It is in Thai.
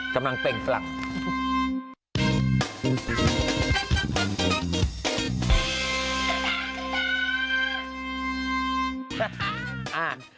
กำลังเป็นฝรั่ง